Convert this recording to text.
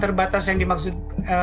terbatas yang dimaksud